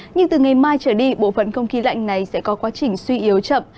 nhưng từ ngày mai trở đi bộ phận không khí lạnh này sẽ có quá trình suy yếu chậm